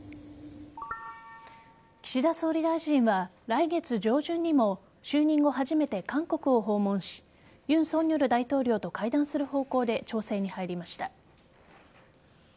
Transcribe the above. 岸田総理大臣は来月上旬にも就任後初めて韓国を訪問し尹錫悦大統領と会談する方向で調整に入りました。